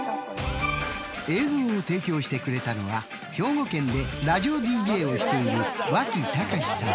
映像を提供してくれたのは兵庫県でラジオＤＪをしているわきたかしさん。